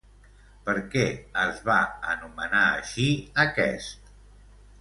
Per què es va anomenar així aquest?